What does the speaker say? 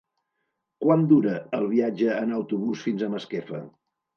Quant dura el viatge en autobús fins a Masquefa?